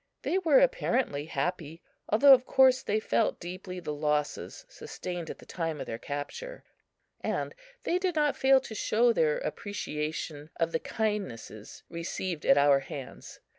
They were apparently happy, although of course they felt deeply the losses sustained at the time of their capture, and they did not fail to show their appreciation of the kindnesses received at our hands.